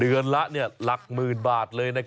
เดือนละเนี่ยหลักหมื่นบาทเลยนะครับ